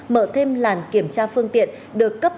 mở thêm làn kiểm tra phương tiện được cấp